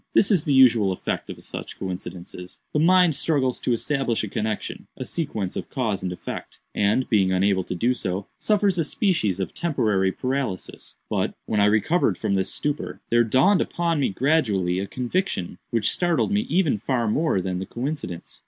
This is the usual effect of such coincidences. The mind struggles to establish a connexion—a sequence of cause and effect—and, being unable to do so, suffers a species of temporary paralysis. But, when I recovered from this stupor, there dawned upon me gradually a conviction which startled me even far more than the coincidence.